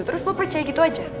terus lo percaya gitu aja